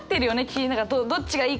どっちがいいかな？とか。